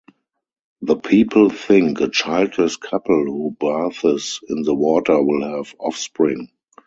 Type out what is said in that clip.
The people think a childless couple who bathes in the water will have offspring.